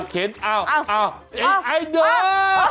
เข็นเอ้าไอ้เดิ้ล